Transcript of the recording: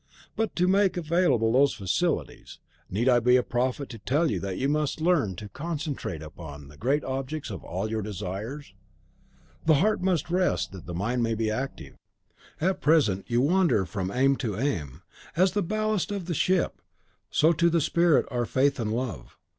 "But to make available those faculties, need I be a prophet to tell you that you must learn to concentre upon great objects all your desires? The heart must rest, that the mind may be active. At present you wander from aim to aim. As the ballast to the ship, so to the spirit are faith and love.